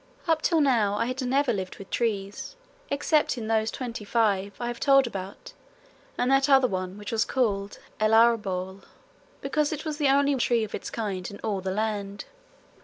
Up till now I had never lived with trees excepting those twenty five I have told about and that other one which was called el arbol because it was the only tree of its kind in all the land.